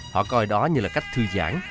họ coi đó như là cách thư giãn